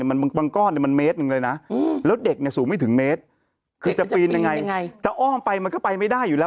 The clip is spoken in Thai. มันบางก้อนมันเมตรหนึ่งเลยนะแล้วเด็กเนี่ยสูงไม่ถึงเมตรคือจะปีนยังไงจะอ้อมไปมันก็ไปไม่ได้อยู่แล้ว